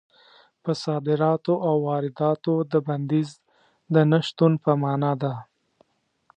په صادراتو او وارداتو د بندیز د نه شتون په مانا ده.